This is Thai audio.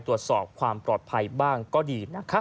ตรวจสอบความปลอดภัยบ้างก็ดีนะคะ